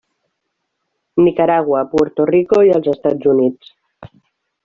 Nicaragua, Puerto Rico i els Estats Units.